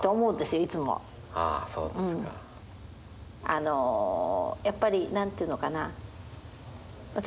あのやっぱり何ていうのかな私